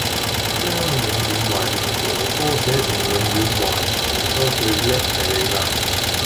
將「永遠懷念哥哥」寫成「永遠懷疑哥哥」最叻係你啦